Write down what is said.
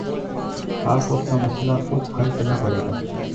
آپ کو اپنا مسئلہ خود حل کرنا پڑے گا